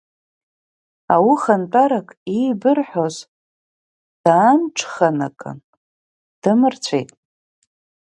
Аухантәарак еибырҳәоз даамҽханакын, дамырцәеит.